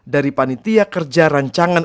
dari panitia kerja rancangan